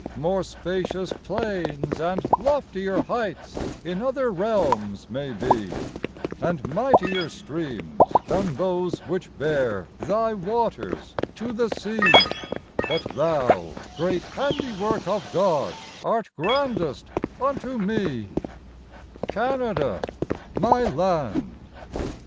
More spacious plains and loftier heights In other realms may be, And mightier streams than those which bear Thy waters to the sea; But thou, great handiwork of God, Art grandest unto me, Canada, my land.